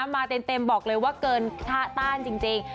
มาเต็มบอกเลยว่าเกินค่าต้านจริง